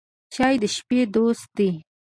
چای د شپې دوست دی.